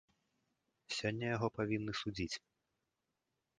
Сёння яго павінны судзіць.